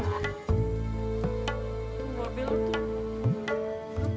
bapak belu tuh